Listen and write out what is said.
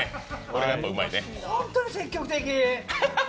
本当に積極的！